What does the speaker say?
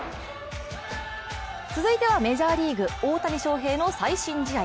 続いてはメジャーリーグ、大谷翔平の最新試合。